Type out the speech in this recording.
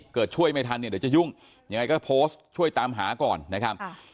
เกิดช่วยไม่ทันเนี่ยเดี๋ยวจะยุ่งยังไงก็โพสต์ช่วยตามหาก่อนนะครับ